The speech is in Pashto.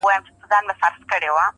د قاضي عاید لا نور پسي زیاتېږي,